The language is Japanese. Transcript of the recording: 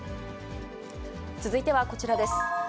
続いてはこちらです。